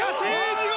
見事！